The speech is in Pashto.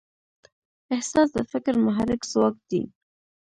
احساس د فکر محرک ځواک دی.